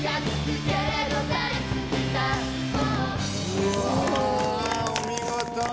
うわお見事！